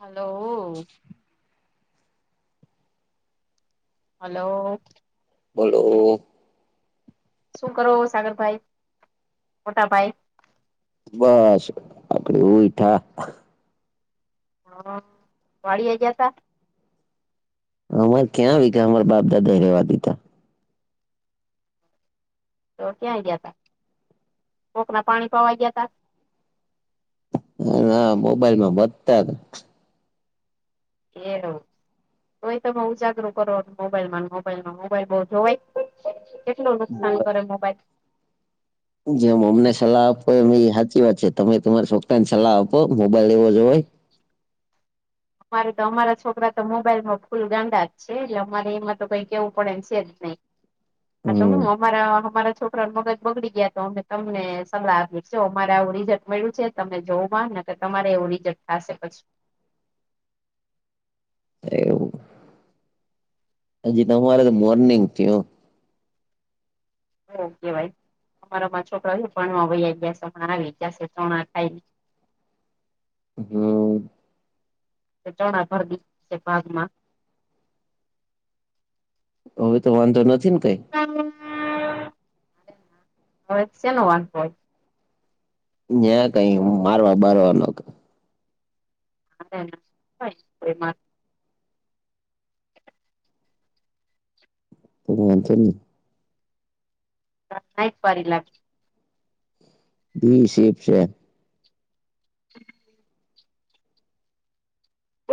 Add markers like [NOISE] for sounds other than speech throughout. Hello, [INAUDIBLE] [INAUDIBLE] [UNINTELLIGIBLE] hello. બોલો. શું કરો સાગરભાઈ [UNINTELLIGIBLE] મોટા ભાઈ. બસ આપડી ઉઈથા. હ હ [UNINTELLIGIBLE] વાડી એ ગયા તા? અમારે ક્યાં વિઘા અમાર બાપ દાદ એ રવા દીધા. તો ક્યાં ગયા હતા [INAUDIBLE] કોક ના પાણી પાવા ગયા તા? [UNINTELLIGIBLE] ના મોબાઇલ મા મથતા તા. એલો તોઈ તમે ઉજાગર કરો મોબાઈલમાં મોબાઈલ માં મોબાઈલ બહુ જોવાય. કેટલું નુકસાન હતા કરે મોબાઈલ. જેમ અમને સલાહ આપો એ સાચી વાત છે તમે તમારા છોકરાં સલાહ આપો મોબાઈલ ને [INAUDIBLE] જોવાઈ. અમારે તો અમારા છોકરા તો મોબાઈલમાં ફૂલ ગાંડા જ છે એટલે અમારે એમાં તો કઈ કેવું પડે છે જ નહી. તો હમ હું અમારા અમારા છોકરા. છોકરા ના મગજ બગડી ગયા તો અમે તમને સલાહ આપી છે. મારે આવું રિઝલ્ટ મળ્યું છે. તમે જોવું માં કે તમારે એવું રીઝટ થશે પછી. એવું. હજી તો અમારે તો મોર્નિંગ થીયુ. [INAUDIBLE] કેવાય અમારામાં છોકરા ભણવા વાયા ગયા છે. હમણાં આવીજસે પોણાઆઠે થઈને, [INAUDIBLE] હમ... ચણા ભર [INAUDIBLE] છે ભાગમાં. હવે તો વાંધો નથી ને કઈ. [INAUDIBLE] હવે તો સેનો વાંધો હોય. ન્યાં કઈ હુ મારવા બરવામા, [INAUDIBLE] [INAUDIBLE] [INAUDIBLE] તોમ [INAUDIBLE] અનસલની. [INAUDIBLE] લાગ. ભી [INAUDIBLE] છે. [INAUDIBLE]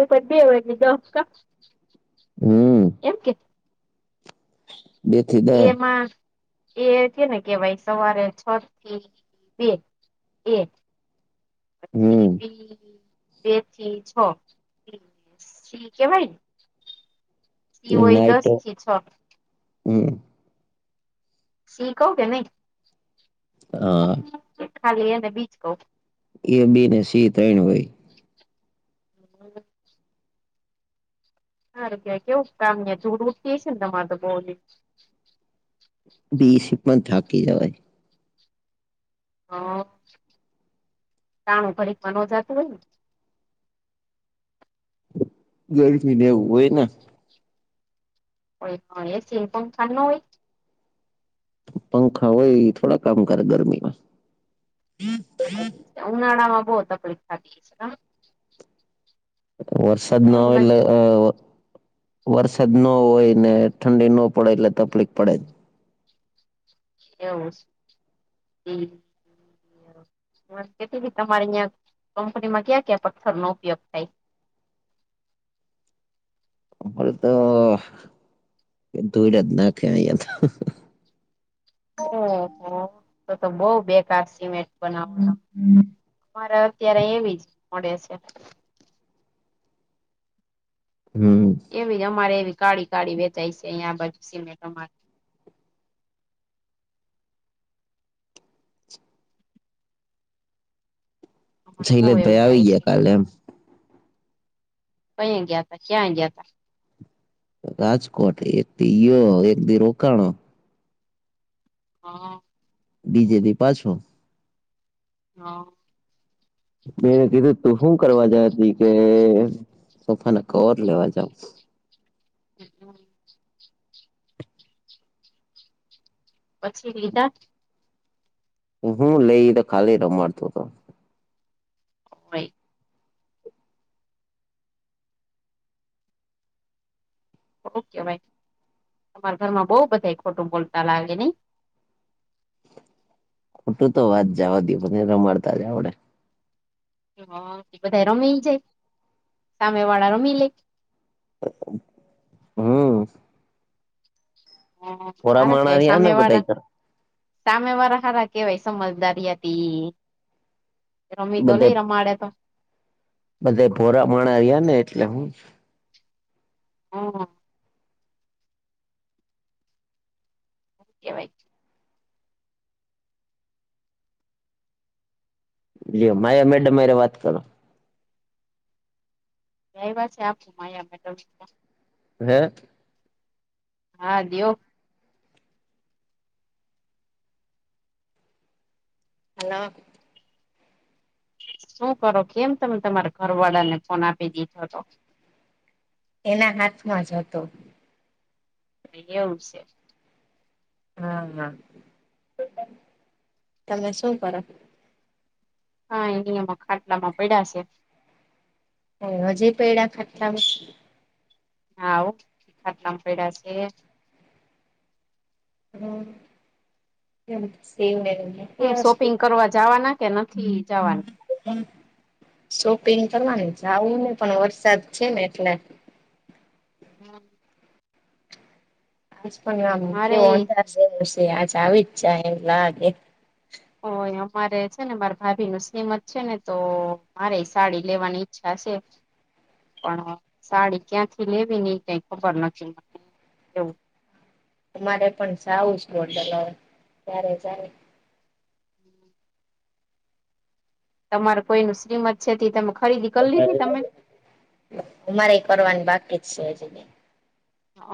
એ બધે એવું હોય કે [INAUDIBLE] હમ્મ. એમ કેમ. બે થી દહ એમાં એ છે એ ને કેવાય સવારે છ થી બે. એ. હમ [INAUDIBLE] બે થી છ [INAUDIBLE] સી હોય નાઇટ દસ તો થી છ [INAUDIBLE] શીખો કે નહી હા ખાલી એ બીજ કવ. એ બી ને સી ત્રણ હોય. [INAUDIBLE] આરોગ્ય કેવું કામ ને જૂડુ ઉઠી છે તમારે તો બહને. ડી શીપમાં થાકી જવાય. હ, ટાણું ફરીકમાં ન જાતું હોય ને. ગરમીથી ને એવું હોય ને. હો એ પણ એસી પંખા ન હોય. પંખા હોય થોડા કામ કરે ગરમીમાં. ઉનાળામાં બવ તકલીફ [INAUDIBLE] વરસાદ ન આવે એટલે વરસાદ ન હોય ને ઠંડી ન પડે એટલે તકલીફ પડે. એવું શે હમ. મને કેતી તી તમારી અયા કંપનીમાં ક્યાં ક્યાં પથ્થર નો ઉપયોગ થાય? અમારે તો ધૂઈડ જ નાખે અયા તો. ઓહો તો તો બોવ બેકાર સિમેન્ટ બનાવવાના. મારે અત્યારે એવી જ મળે છે. હમ્મ. એવી અમારે એવી કાળી-કાળી વેચાય છે આયા આ બાજુ સિમેન્ટ અમારે. અમારે બહુ [UNINTELLIGIBLE] એવું ભાઈ થાય આવી છે ગયા કાલે એમ. પઈ ગયા તા ક્યાં ગયા તા. રાજકોટ એક દી યો એક દી રોકાણો. હા. બીજે દી પાછો હ. મે કીધું તું હું કરવા જાય તી કે સોફા ના કવર લેવા જાવસ. [INAUDIBLE] પછી લીધા? હું લઈ તો ખાલી રમાડતો હતો. [INAUDIBLE] ઓકે ભાઈ તમારા ઘરમાં બોવ બધા એ ખોટું બોલતા લાગે નય? ખોટું તો વાત જાવા દયો મને રમાડતા જ આવડે. હ ઈ બધા રમી જાય, સામે વાળા રમી લે. હમ્મ. હ ભોરા હારા માણા કેવાય રહ્યા ને સામે વારા. બધા સામે વાળા હારા કેવાય સમજદારી અતી. રમી તો બધે નય રમાડે તો. બધે ભોરા માના આયા ને એટલે, હમ્મ. હ. કેવાય. લ્યો માયા મેડમ હારે વાત કરો. લાયવા છે [UNINTELLIGIBLE] હે? હા દીયો. હાલો. શું કરો? કેમ તમે તમારા ઘર વાળાને ફોન આપી દીધો તો? એના હાથમાં જ હતો. એવું સે. હા હા, તમે શું કરો? હા એની આમ ખાટલામાં પયદા છે. ઓ હજે પેડા ખાટલા માં? હા હો, ખાટલા પેયદા છે. હમ્મ, એમ સેવને બીજું હું શોપિંગ કરવા જવાના કે નથી જવાના? હમ્મ, શોપિંગ કરવાને જાવું ને પણ વરસાદ છેને એટલે. [INAUDIBLE] અને આમ [INAUDIBLE] મારે આજ આવી જ જાય એમ લાગે. ઓ ય અમારે છે ને મારા ભાભી નું શ્રીમંત છે ને તો મારે ય્ સાડી લેવાની ઈચ્છા છે. [UNINTELLIGIBLE] પણ સાડી ક્યાં થી લેવી ને એ ક્યાંય ખબર નથી, એવું. મારે પણ સાવું જ પડશે ન્યા, ત્યારે જાય. તમારે પહિ નું શ્રીમત છે તે તમે ખરીદી કરી લીધી તમે? અમારે એ કરવાની બાકી જ છે હજુ.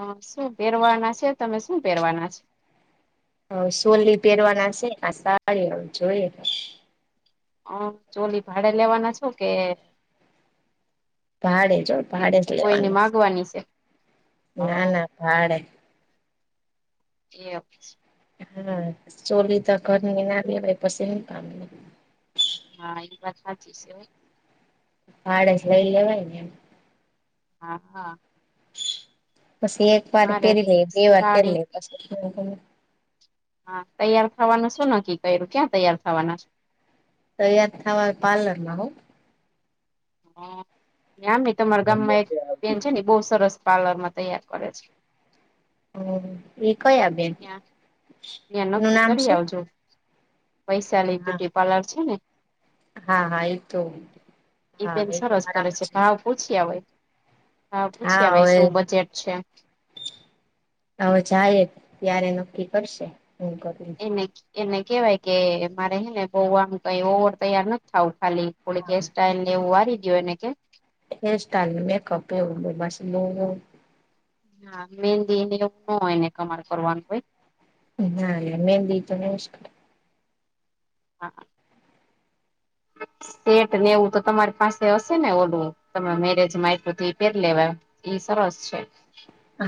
હ શું પહેરવાના છે તમે શું પહેરવાના છે? હ સોલી પહેરવાના છે આ સાડી જોઈએ. હ ચોલી ભાડે લેવાના છો કે ભાડે જો, કે ભાડે જ કોઈને લેવાનું, માગવાની છે હ ના ના ભાડે. એફ. હા, ચોલી તો ઘર ની ના લેવાય પછી હું કામની. હા, એ વાત સાચી છે હો. ભાડે જ લઈ લેવાય ને એમ. હા, હા. પછી એક વાર મારે પહેરી લે, બે વાર સાડી પહેરી લે પછી થોડું ઘણું હા તૈયાર થવાનું શું નક્કી કર્યું, ક્યાં તૈયાર થવાના? તૈયાર થવા પાર્લરમાં હો. હ ને આમે તમારા ગામમાં એક બેન છે ને બહુ સરસ પાર્લરમાં તૈયાર કરે છે. હ એ કયા બેન, ત્યાં ત્યાં એનું નક્કી નામ કરી શું? આવજો વૈશાલી હા બ્યુટી પાર્લર છે ને. હા હા, એ તો હા બેન એ તો સરસ કરે મારામાં છે. ભાવ પૂછ્યા વાય, હા પૂછ્યા વાય, શું બજેટ છે. હવે જાયે ત્યારે નક્કી કરશે, હું કરું એને ક એને કેવાય કે મારે હેને બોવ આમ કઈ ઓવર તૈયાર નથ થાવું ખાલી થોડીક હેસ્ટાઈલ ને એવું વારી દીયો ને કે હેસ્ટાઇલ ને મેકપ એવું [UNINTELLIGIBLE] હા, મેંદીને એવું નો હોયને તમાર કરવાનું હોય. ના, એમ ને એમ લેય તો નઈ જ કરે. હા, સેટ ને એવું તો તમારી પાસે હશે ને ઓલુ તમે મેરેજમાં આપ્યું તો ઈ પેર લેવા એમ. ઈ સરસ છે.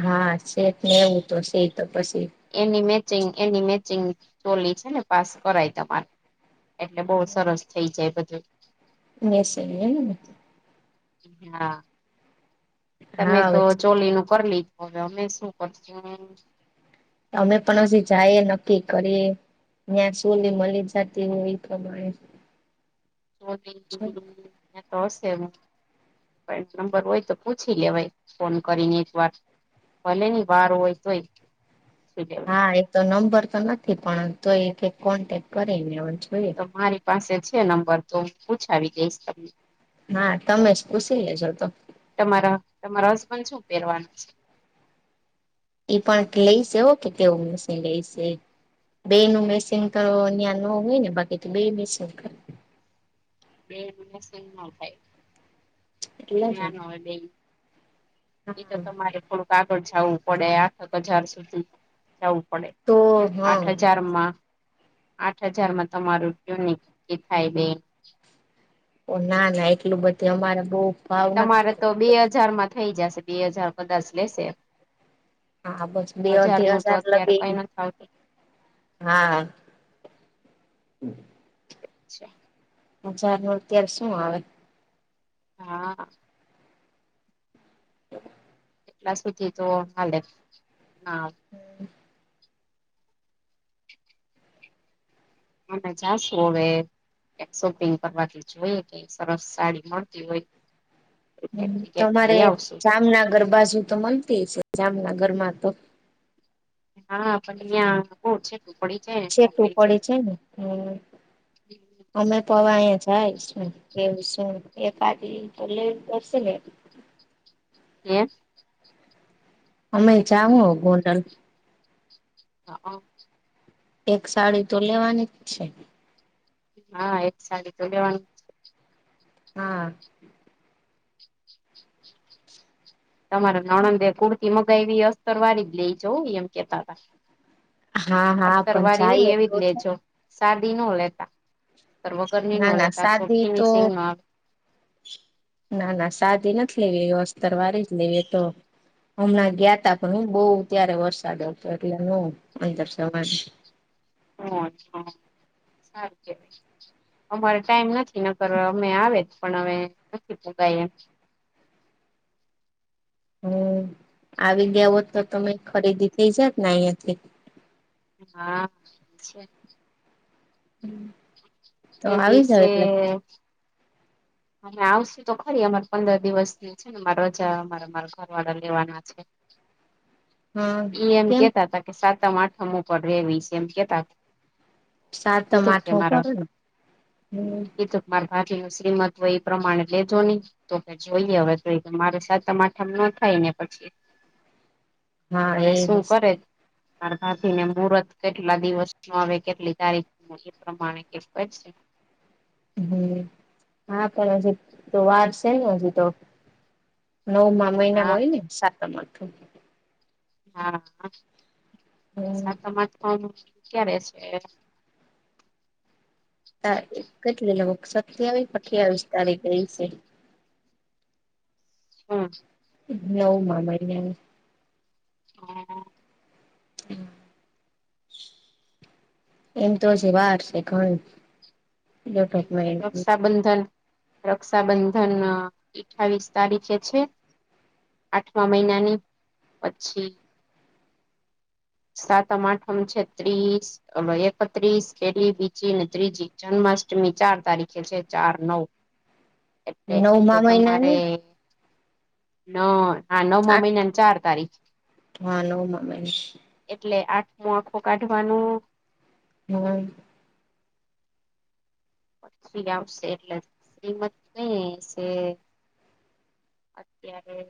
હા, સેટ ને એવું તો શે ઈતો પસી એની મેચિંગ, એની મેચિંગ ચોલી છે ને પાસ કરાય તમારે. એટલે બોઉ સરસ થઇ જાય બધું. એને સેને એનું ને હા, તમે તો હા ચોલીનું કર લાયખું, અવે અમે શું કરશું? અમે પણ અજી જાએ નક્કી કરીએ. ન્યાં ચોલી મલી જાતી હોય ઈ પ્રમાણે. [UNINTELLIGIBLE] પર એક્ઝામ પર ઓય તો પૂછ. પૂછી લેવાય ફોન કરીને એક વાર ભલેની બાર ઓય તોય. પૂછી લેવાય હા, એ તો નંબર તો નથી પણ તોઈ કે કોન્ટેક કરી લેવો જોઈએ. તો મારી પાસે છે નંબર તો, પૂછાવી દઈશ તમને. ના, તમે જ પૂસી લેજો તો. તમારા-તમારા હસબન્ડ શું પેરવાના છે.? એ પણ ક્લેઈશ એવો કે કવો મૂશી લઈ શે. બેયનું મેચિંગ તો ન્યા નો હોય ને બાકી તો બેય મેચિંગ કર બેયનું મેચિંગ નો થાય, એટલે જ ત્યાં ને નો ઓય બેય એ તો હા તમારે થોડુંક આગળ જાવું પડે, આખા બજાર સુધી જાવું પડે. તો આઠ હા હજારમાં આઠ હજારમાં તમારું ટ્યૂનિંગ ની થાય બેન. ઓ, ના, ના, એટલું બધી અમારે બોઉ તમારે તો બે અજારમાં થઈ જાશે, બે અજાર કદાચ લેશે. હા, બસ, હજાર બે-અઢી નું તો અજાર અત્યારે કઈ લગી, નથી આવતું હા, ચાહ્ હજારનું અત્યારે શું આવે? હા, એટલા સુધી તો મલે, ના, હુમ્મ, અમે જાશું અવે ક્યાંક શોપિંગ કરવાથી જોયે ક્યાઈ સરસ સાડી મળતી ઓય. હુમ્મ, તમારે આવશું જામનગર બાજું તો મલતી છે, જામનગરમાં તો હા, પણ ન્યા બોઉ છેટું પડે. છેેટું પડે છે ને હમ [INAUDIBLE] અમે તો અવે અયા જાય શું. એવું શે, એક કાદી તો લેવી પદશે ને? કેસ અમે જાહુ ગોંડલ. હા, હ. એક સાડી તો લેવાની જ છે. હા, એક સાડી તો લેવાનું હા. તમારે નણંદે કુર્તી મંગાયવી અસ્તર વાળી જ લેઈ જઉં ઈ એમ કેતા તા. હા હા અસ્ટર પણ વારી હોય ને જઈએ તો એવી લે જઉં. સાદી નો લેતા, [INAUDIBLE] વગર ની નો ના ના લેતા તો સાદી ફિનિશિંગમાં ના ના સાદી નથ લેવી એ અસ્તર વારી જ લેય એ તો. હમણાં ગ્યા તા પણ બહુ ત્યારે વરસાદ હતો એટલે ન [INAUDIBLE] સવારે [INAUDIBLE] અમારે ટાઈમ નથી નકર અમે આવે જ પણ અવે નથી પોગાય એમ. હમ, આવી ગ્યા હોત તો તમે ખરીદી થઇ જાત ને અહિયાંથી. હા, છે. તો તે આવી જાવ દિવસે એટલે અમે આવશું તો ખરી અમારે પંદર દિવસની છે ને [INAUDIBLE] રજા અમારે અમારા ઘર વાળા લેવાના છે. હા [INAUDIBLE] ઈએમ કેમ કહેતા હતા કે સાતમ આઠમ ઉપર [UNINTELLIGIBLE] સે એમ કેતા તા. મે સાતમ કીધું કે આઠમ મારો પડે ને હમ કીધું માર ભાભી નું શ્રીમંત તો એ પ્રમાણે લેજો ની તો કે જોઈએ હવે તો એ મારે સાતમ આઠમ નો થાય [UNINTELLIGIBLE] પછી. હા હવે એ શું કરે મારા ભાભીને મુહૂર્ત કેટલા દિવસનો આવે કેટલી તારીખનો એ પ્રમાણે [INAUDIBLE] [INAUDIBLE] હમ, હા પણ હજી તો વાર સે ને હજી તો. નવમાં મહિનામાં હા હોય ને સાતમ આઠમ. હા, હા, હમ સાતમ આઠમ ક્યારે છે? [INAUDIBLE] કેટલી [UNINTELLIGIBLE] સત્યાવીસ અઠ્યાવીસ તારીખે હઈશે. હમ. નવમા મહિને [INAUDIBLE] એમ તો હજી વાર છે ઘણી. દોઢેક મહિનાની રક્ષાબંધન, રક્ષાબંધન અઠાવીસ તારીખે છે. આઠમા મહિનાની પછી સાતમ આઠમ છે ત્રીસ અવે એકત્રીસ પેલી બીજીને ત્રીજી જન્માષ્ટમી ચાર તારીખે છે ચાર નવ એટલે તો નવમા તમારે મહિનાની [UNINTELLIGIBLE] હા, નવમા આઠ મહિનની ચાર તારીખે. હા, નવમાં મહિનાની. એટલે આઠમો આખો કાઢવાનું હમ. પછી આવશે એટલે કીમત નઈ હસે. અત્યારે